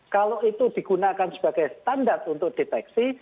kalau itu digunakan sebagai standar untuk deteksi